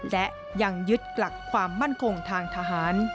และยังยึดหลักความมั่นคงทางทหาร